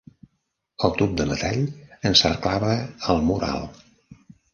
El tub de metall encerclava el mur alt.